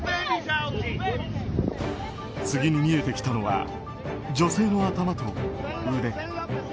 次に見えてきたのは女性の頭と腕。